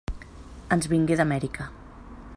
Ens vingué d'Amèrica.